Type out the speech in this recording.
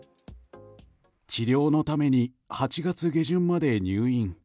治療のために８月下旬まで入院。